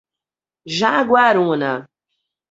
Jaguaruna